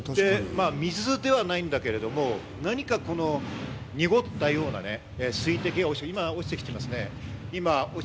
水ではないんだけれども、何か濁ったような水滴が今、落ちてきていますね。